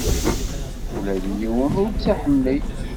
Ula d yiwen ur tt-iḥemmel.